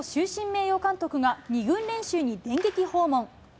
名誉監督が、２軍練習に電撃訪問。